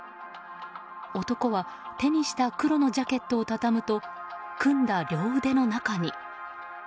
男は、手にした黒のジャケットを畳むと組んだ両腕の中に。